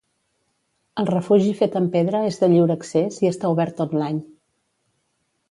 El refugi fet amb pedra és de lliure accés i està obert tot l'any.